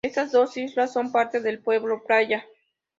Estas dos islas son parte del pueblo Playa.